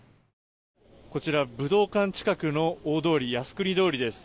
こちら武道館近くの大通り靖国通りです。